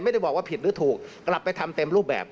ไม่ได้บอกว่าผิดหรือถูกกลับไปทำเต็มรูปแบบ